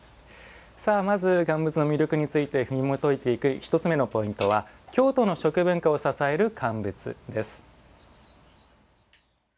さあ、まず乾物の魅力についてひもといていく１つ目のポイントは「京都の食文化を支える乾物」です。